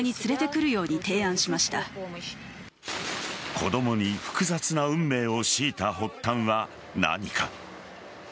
子供に複雑な運命を強いた発端は何か。